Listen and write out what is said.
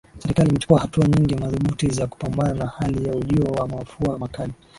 Serikali imechukua hatua nyingi madhubuti za kupambana na hali ya ujio wa mafua makali